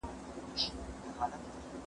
که منطق نه وي څېړنه ارزښت نه لري.